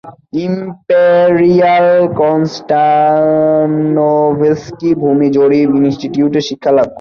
Imperial Konstantinovsky ভূমি জরিপ ইনস্টিটিউটে শিক্ষালাভ করেন।